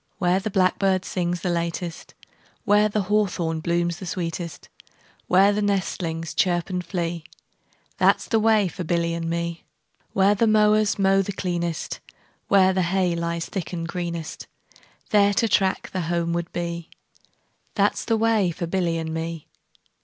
Where the blackbird sings the latest, 5 Where the hawthorn blooms the sweetest, Where the nestlings chirp and flee, That 's the way for Billy and me. Where the mowers mow the cleanest, Where the hay lies thick and greenest, 10 There to track the homeward bee, That 's the way for Billy and me.